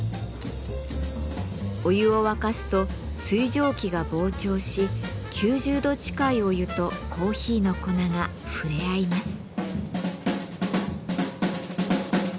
お湯を沸かすと水蒸気が膨張し９０度近いお湯とコーヒーの粉が触れ合います。